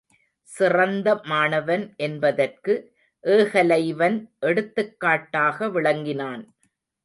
சிறந்த மாணவன் என்பதற்கு ஏகலைவன் எடுத்துக் காட்டாக விளங்கினான்.